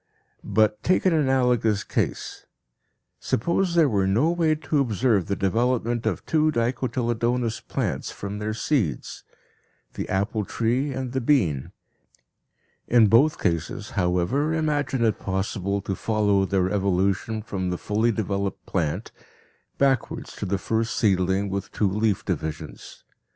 But take an analogous case. Suppose there were no way to observe the development of two dicotyledonous plants from their seeds the apple tree and the bean. In both cases, however, imagine it possible to follow their evolution from the fully developed plant backwards to the first seedling with two leaf divisions.